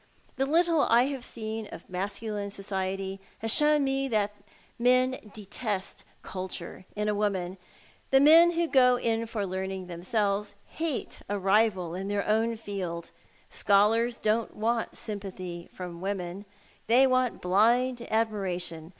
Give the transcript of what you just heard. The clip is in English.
The little I have seen of masculine society has shown me that men detest " culture " in a woman. The men who go in for learning themselves hate a rival in their own field. Scholars don't want sympathy from women. They want blind admiration.